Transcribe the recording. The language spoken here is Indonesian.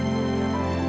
ya makasih ya